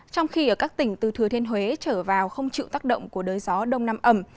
trong khi ở các tỉnh từ thừa thiên huế trở vào không chịu tác động của đới gió đông nam ẩm